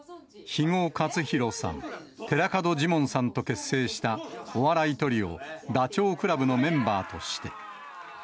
肥後克広さん、寺門ジモンさんと結成したお笑いトリオ、ダチョウ倶楽部のメンバーとして。